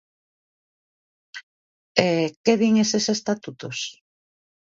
E, que din eses estatutos?